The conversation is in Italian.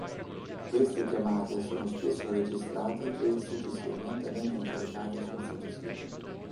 Queste chiamate sono spesso registrate e successivamente vengono caricate sul sito sito.